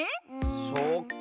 そっかあ。